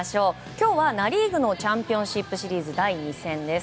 今日はナ・リーグのチャンピオンシップシリーズ第２戦です。